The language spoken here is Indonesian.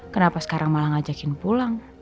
kenapa sekarang malah ngajakin pulang